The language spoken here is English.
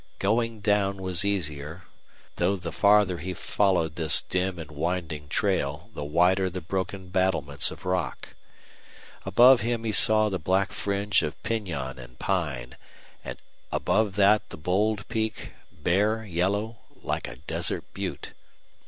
Going down was easier, though the farther he followed this dim and winding trail the wider the broken battlements of rock. Above him he saw the black fringe of pinon and pine, and above that the bold peak, bare, yellow, like a desert butte.